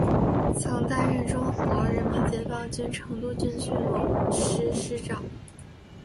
曾担任中国人民解放军成都军区某师师长。